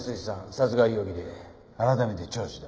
殺害容疑で改めて聴取だ。